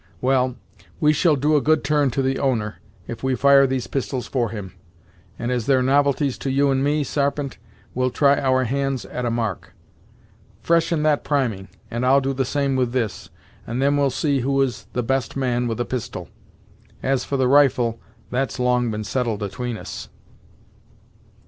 Well, we shall do a good turn to the owner if we fire these pistols for him, and as they're novelties to you and me, Sarpent, we'll try our hands at a mark. Freshen that priming, and I'll do the same with this, and then we'll see who is the best man with a pistol; as for the rifle, that's long been settled atween us."